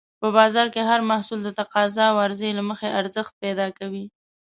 په بازار کې هر محصول د تقاضا او عرضې له مخې ارزښت پیدا کوي.